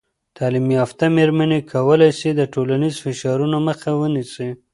تعلیم یافته میرمنې کولی سي د ټولنیز فشارونو مخه ونیسي.